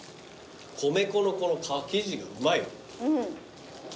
米粉のこの皮生地がうまいわ。